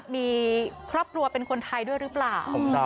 มีครอบครัวเป็นคนไทยด้วยหรือเปล่า